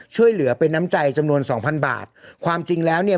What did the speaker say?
ช่วยเหลือเป็นน้ำใจจำนวนสองพันบาทความจริงแล้วเนี่ย